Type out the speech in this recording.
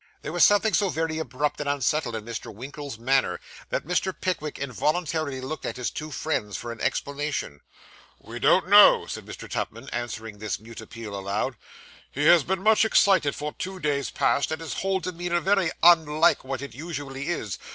There was something so very abrupt and unsettled in Mr. Winkle's manner, that Mr. Pickwick involuntarily looked at his two friends for an explanation. 'We don't know,' said Mr. Tupman, answering this mute appeal aloud. 'He has been much excited for two days past, and his whole demeanour very unlike what it usually is.